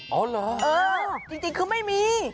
อ๋อเหรอเออจริงคือไม่มี